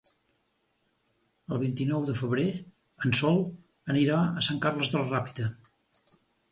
El vint-i-nou de febrer en Sol anirà a Sant Carles de la Ràpita.